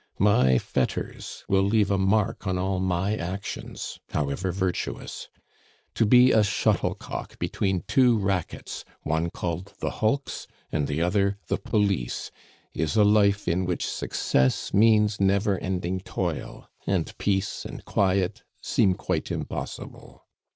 My fetters will leave a mark on all my actions, however virtuous. To be a shuttlecock between two racquets one called the hulks, and the other the police is a life in which success means never ending toil, and peace and quiet seem quite impossible.